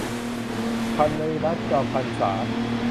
ไพรัช จอมพรรษา